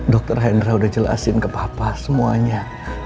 dr hendra udah jelasin ke papa semuanya